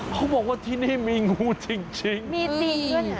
เขาบอกว่าที่นี่มีงูจริงมีจริง